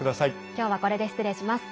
今日はこれで失礼します。